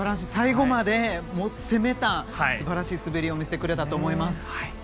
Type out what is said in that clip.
最後まで攻めた素晴らしい滑りを見せてくれたと思います。